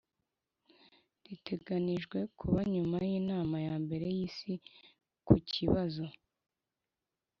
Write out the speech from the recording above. riteganijwe kuba nyuma y'inama ya mbere y'isi ku kibazo